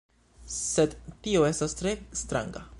Sed tio estas tre stranga...